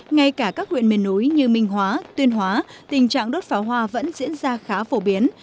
ngay cả các huyện miền núi như minh hóa tuyên hóa tình trạng đốt pháo hoa vẫn diễn ra khá phổ biến